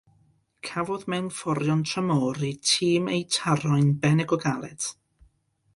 Cafodd mewnforion tramor y tîm eu taro'n arbennig o galed.